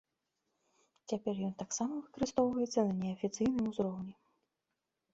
Цяпер ён таксама выкарыстоўваецца на неафіцыйным узроўні.